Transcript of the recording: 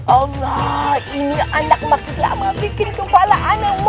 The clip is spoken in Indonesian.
allah ini ana kemaksud lama bikin kepala ana makin kemining